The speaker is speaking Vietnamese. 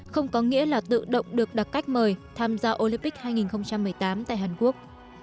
không có nghĩa là tự động được đặt cách mời tham gia olympic hai nghìn một mươi tám tại hàn quốc